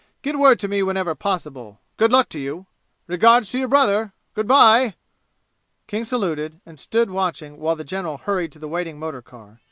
Get word to me whenever possible. Good luck to you! Regards to your brother! Good by!" King saluted and stood watching while the general hurried to the waiting motor car.